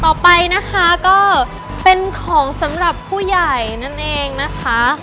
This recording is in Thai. ต่อไปนะคะก็เป็นของสำหรับผู้ใหญ่นั่นเองนะคะ